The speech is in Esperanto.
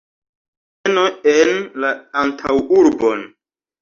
Reveno en la antaŭurbon.